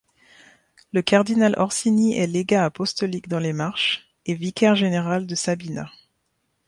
Le cardinal Orsini est légat apostolique dans les Marches et vicaire général de Sabina.